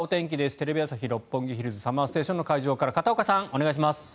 テレビ朝日・六本木ヒルズＳＵＭＭＥＲＳＴＡＴＩＯＮの会場から片岡さんお願いします。